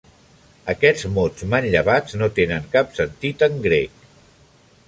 Aquests mots manllevats no tenen cap sentit en grec.